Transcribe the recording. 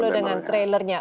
sepuluh dengan trailernya